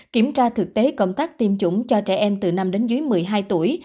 kiểm tra thực tế công tác tiêm chủng cho trẻ em từ năm đến dưới một mươi hai tuổi